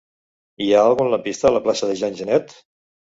Hi ha algun lampista a la plaça de Jean Genet?